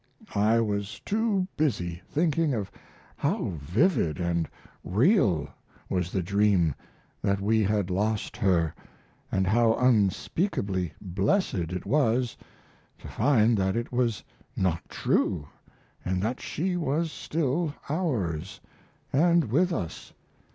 I was too busy thinking of how vivid & real was the dream that we had lost her, & how unspeakably blessed it was to find that it was not true & that she was still ours & with us.